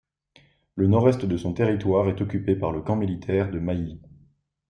Le nord-est de son territoire est occupé par le camp militaire de Mailly.